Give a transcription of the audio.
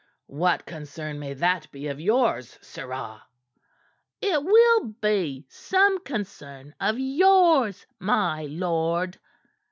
"What concern may that be of yours, sirrah?'' "It will be some concern of yours, my lord."